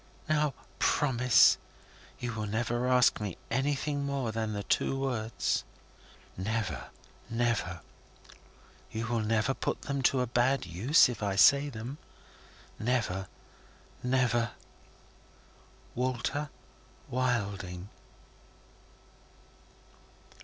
Now, promise. You will never ask me anything more than the two words?" "Never! Never!" "You will never put them to a bad use, if I say them?" "Never! Never!" "Walter Wilding."